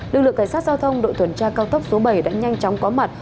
lực lượng cảnh sát giao thông đội tuần tra cao tốc số bảy đã nhanh chóng có mặt